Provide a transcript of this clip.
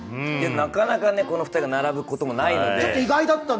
なかなかこの２人が並ぶことはないので。